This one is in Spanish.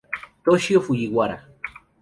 Toshio Fujiwara